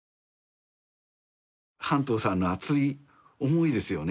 半藤さんの熱い思いですよね